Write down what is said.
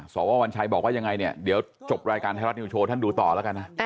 สววัญชัยบอกว่ายังไงเนี่ยเดี๋ยวจบรายการไทยรัฐนิวโชว์ท่านดูต่อแล้วกันนะ